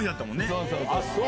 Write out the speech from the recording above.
そうそうそう。